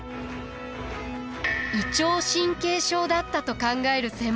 胃腸神経症だったと考える専門家も。